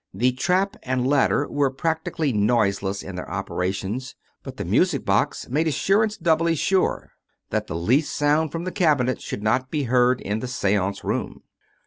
The trap and ladder were practically noiseless in their operations, but the music box made assur ance doubly sure that the least sound from the cabinet should not be heard in the seance room.